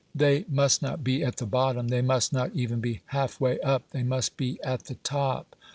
They must not be at the bottom they must not even be half way up they must be at the top.